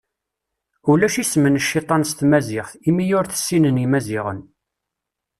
Ulac isem n cciṭan s tmaziɣt, imi ur t-ssinen Imaziɣen.